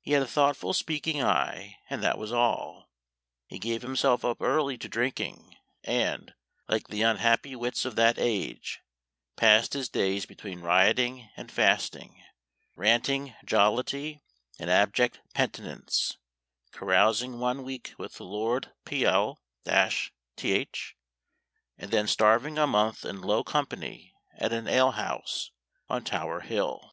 He had a thoughtful speaking eye, and that was all. He gave himself up early to drinking, and, like the unhappy wits of that age, passed his days between rioting and fasting, ranting jollity and abject penitence, carousing one week with Lord Pl th, and then starving a month in low company at an ale house on Tower Hill."